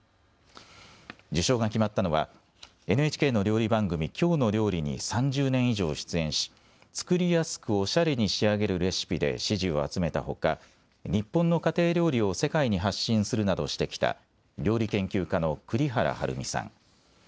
受賞が決まったのはＮＨＫの料理番組、きょうの料理に３０年以上出演し作りやすくおしゃれに仕上げるレシピで支持を集めたほか日本の家庭料理を世界に発信するなどしてきた料理研究家の栗原はるみさん。